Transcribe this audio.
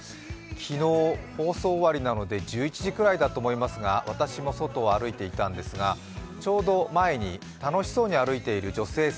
昨日、放送終わりなので１１時ぐらいだと思いますが私も外を歩いていたんですが、ちょうど前に、楽しそうに歩いている女性